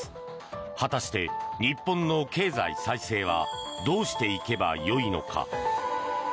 果たして、日本の経済再生はどうしていけばよいのか。